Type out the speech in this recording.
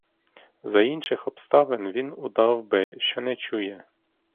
За інших обставин він удав би, що не чує.